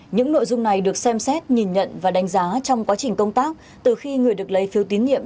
những nội dung này được xem xét nhìn nhận và đánh giá trong quá trình công tác từ khi người được lấy phiếu tín nhiệm